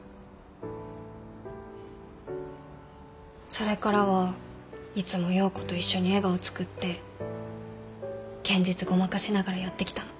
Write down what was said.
それからはいつも葉子と一緒に笑顔つくって現実ごまかしながらやってきたの。